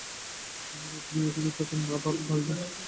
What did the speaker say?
এইবার আপনি এখানে থাকুন, আমরা বাড়ি যাই।